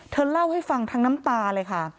เธอเล่าให้ฟังทั้งน้ำตาเลยค่ะ